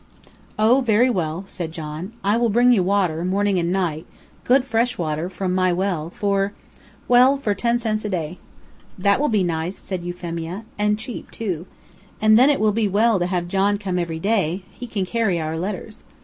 "Oh, very well," said John; "I will bring you water, morning and night, good, fresh water, from my well, for, well, for ten cents a day." "That will be nice," said Euphemia, "and cheap, too. And then it will be well to have John come every day; he can carry our letters."